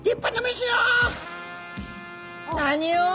「何を！」。